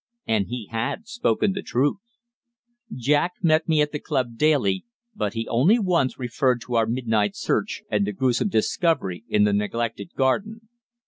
And he had spoken the truth! Jack met me at the club daily, but he only once referred to our midnight search and the gruesome discovery in the neglected garden.